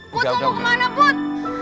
put lo mau kemana put